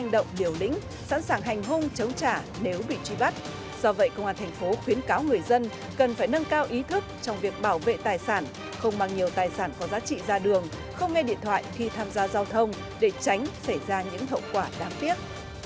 do vậy công an thành phố khuyến cáo người dân cần phải nâng cao ý thức trong việc bảo vệ tài sản không mang nhiều tài sản có giá trị ra đường không nghe điện thoại khi tham gia giao thông để tránh xảy ra những hậu quả đáng tiếc